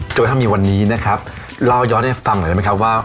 กระทั่งมีวันนี้นะครับเล่าย้อนให้ฟังหน่อยได้ไหมครับว่า